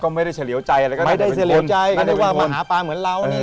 ก็ไม่ได้เสลียวใจไม่ได้เสลียวใจไม่ได้ว่าหมาปลาเหมือนเรานี่แหละ